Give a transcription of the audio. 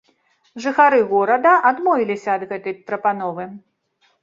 Жыхары горада адмовіліся ад гэтай прапановы.